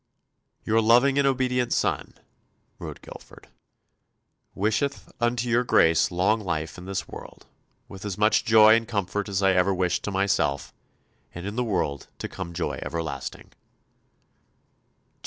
"Your loving and obedient son," wrote Guilford, "wisheth unto your Grace long life in this world, with as much joy and comfort as ever I wished to myself, and in the world to come joy everlasting.